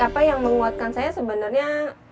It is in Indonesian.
apa yang menguatkan saya sebenarnya